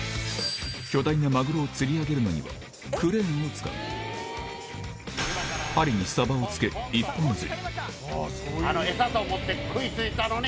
巨大なマグロを釣り上げるのにはクレーンを使う針にサバをつけ一本釣り餌と思って食い付いたのに。